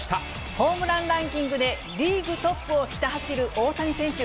ホームランランキングでリーグトップをひた走る大谷選手。